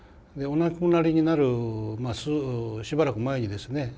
お亡くなりになるしばらく前にですね